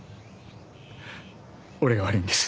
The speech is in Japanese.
俺が悪いんです。